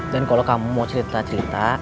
dan kalau kamu mau cerita cerita